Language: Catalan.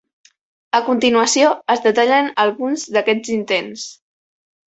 A continuació, es detallen alguns d'aquests intents.